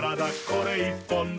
これ１本で」